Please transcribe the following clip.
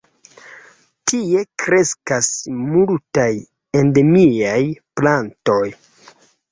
Tie kreskas multaj endemiaj plantoj.